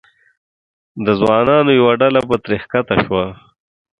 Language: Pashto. د ځوانانو یوه ډله به ترې ښکته شوه.